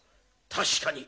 確かに！